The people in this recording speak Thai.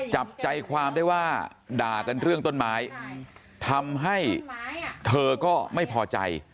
จับใจความได้ว่าด่ากันเรื่องต้นไม้ทำให้เธอก็ไม่พอใจ